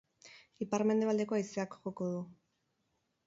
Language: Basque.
Ipar-mendebaldeko haizeak joko du.